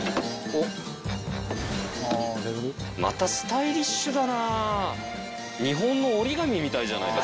またスタイリッシュだな。